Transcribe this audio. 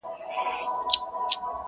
زه له اوښکو سره ولاړم پر ګرېوان غزل لیکمه،